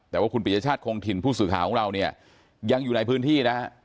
แต่ว่าคุณปริยชาติคงถิ่นผู้สื่อข่าวของเราเนี่ยยังอยู่ในพื้นที่นะฮะ